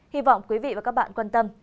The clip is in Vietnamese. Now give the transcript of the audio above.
hy vọng quý vị và các bạn quan tâm